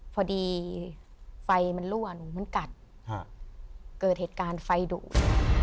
พอดีไฟมันรั่วหนูมันกัดเกิดเหตุการณ์ไฟดูด